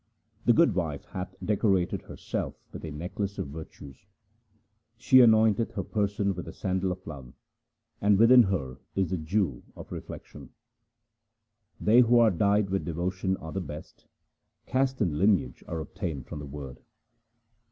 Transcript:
The good wife hath decorated herself with a necklace of virtues. She anointeth her person with the sandal of love, and within her is the jewel of reflection. They who are dyed with devotion are the best ; caste and lineage are obtained from the Word.